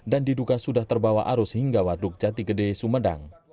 dan diduka sudah terbawa arus hingga waduk jatikede sumedang